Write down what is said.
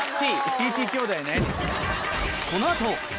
ＴＴ兄弟ね。